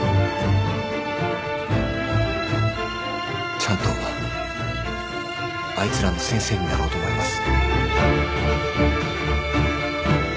ちゃんとあいつらの先生になろうと思います。